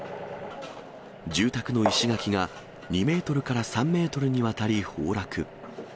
住宅の石垣が、２メートルから３メートルにわたり崩落。